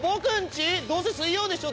どうせ『水曜』でしょ